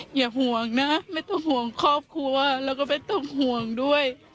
อย่าห่วงนะไม่ต้องห่วงครอบครัวแล้วก็ไม่ต้องห่วงด้วย